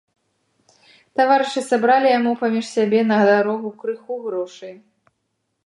Таварышы сабралі яму паміж сябе на дарогу крыху грошай.